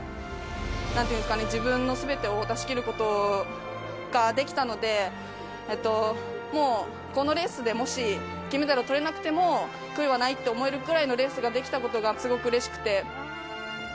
なんていうんですかね、自分のすべてを出し切ることができたので、もうこのレースでもし、金メダルをとれなくても、悔いはないって思えるくらいのレースができたことがすごくうれしくて。